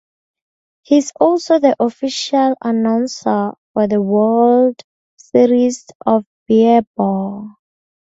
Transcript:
He is also the official announcer for the World Series of Beer Pong.